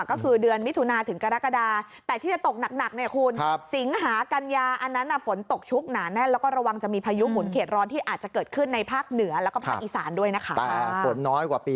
ก็คือเดือนวิตุนาถึงกรกฎาแต่ที่จะตกหนักคุณ